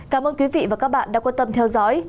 cảm ơn quý vị và các bạn đã quan tâm theo dõi